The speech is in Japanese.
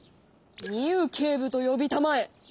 ミウ警部とよびたまえ！